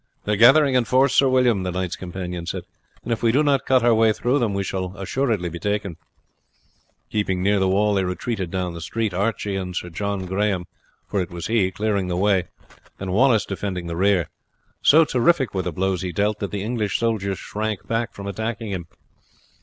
"They are gathering in force, Sir William," the knight's companion said, "and if we do not cut our way through them we shall assuredly be taken." Keeping near the wall they retreated down the street, Archie and Sir John Grahame, for it was he, clearing the way, and Wallace defending the rear. So terrific were the blows he dealt that the English soldiers shrank back from attacking him.